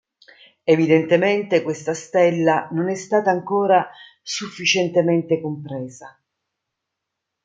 Evidentemente questa stella non è stata ancora sufficientemente compresa.